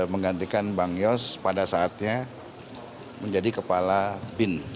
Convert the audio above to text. menggantikan bang yos pada saatnya menjadi kepala bin